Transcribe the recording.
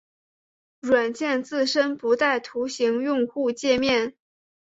软件自身不带图形用户界面。